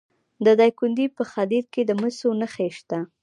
د دایکنډي په خدیر کې د مسو نښې شته.